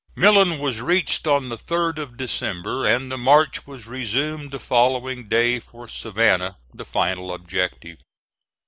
Millen was reached on the 3d of December, and the march was resumed the following day for Savannah, the final objective.